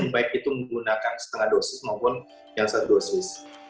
baik itu menggunakan setengah dosis maupun yang satu dosis